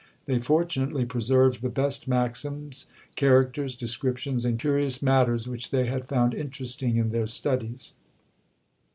They fortunately preserved the best maxims, characters, descriptions, and curious matters which they had found interesting in their studies.